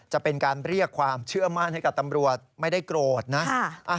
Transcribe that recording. จะเป็นการเรียกความเชื่อมั่นให้กับตำรวจไม่ได้โกรธนะ